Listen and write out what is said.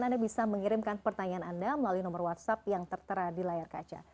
anda bisa mengirimkan pertanyaan anda melalui nomor whatsapp yang tertera di layar kaca